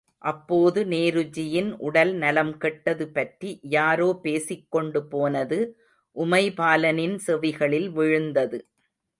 அப்போது நேருஜியின் உடல் நலம் கெட்டது பற்றி யாரோ பேசிக்கொண்டு போனது உமைபாலனின் செவிகளில் விழுந்தது.